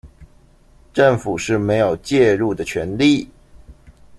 政府是沒有介入的權利